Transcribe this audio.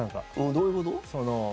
どういうこと？